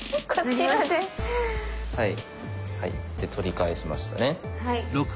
はいで取り返しましたね。